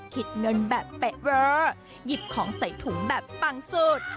เงินแบบเป๊ะเวอหยิบของใส่ถุงแบบปังสุด